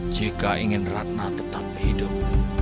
jika ingin ratna tetap hidup